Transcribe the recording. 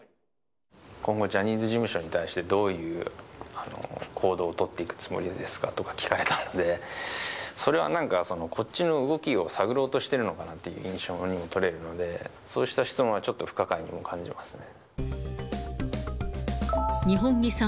今後、ジャニーズ事務所に対してどういう行動を取っていくつもりですかとか聞かれたので、それはなんかその、こっちの動きを探ろうとしてるのかなっていう印象にも取れるので、そうした質問はちょっと不可解にも感じますね。